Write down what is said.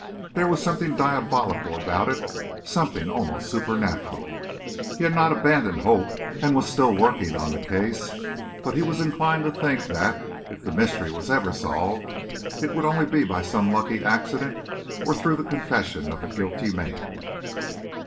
There was something diabolical about it; something almost supernatural. He had not abandoned hope, and was still working on the case; but he was inclined to think that, if the mystery was ever solved, it would be only by some lucky accident or through the confession of the guilty man.